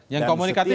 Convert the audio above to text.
yang komunikatif siapa